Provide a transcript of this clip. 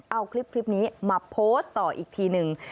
เอาคลิปนี้มาโพสต์ต่ออีกทีหนึ่ง